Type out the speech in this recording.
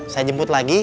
saya jemput lagi